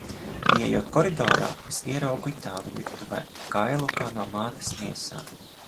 Ieejot koridorā, es ieraugu itāli virtuvē, kailu kā no mātes miesām.